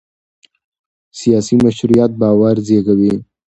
سیاسي مشروعیت باور زېږوي